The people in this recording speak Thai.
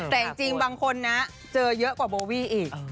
แต่จริงบางคนนะเจอเยอะกว่าโบวี่อีก